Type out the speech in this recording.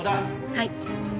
はい。